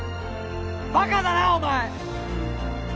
バカだなお前！